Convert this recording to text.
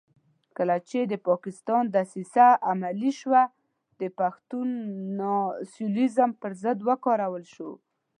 کله چې د پاکستان دسیسه عملي شوه د پښتون ناسیونالېزم پر ضد وکارول شو.